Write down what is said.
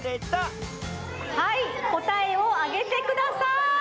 はいこたえをあげてください！